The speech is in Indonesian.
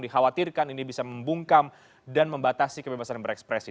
dikhawatirkan ini bisa membungkam dan membatasi kebebasan berekspresi